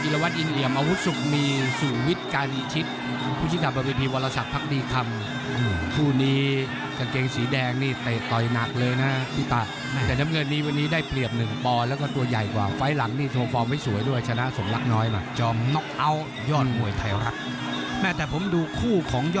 แล้วหน้ากลัวมากแล้วผู้ชมน่ารักด้วย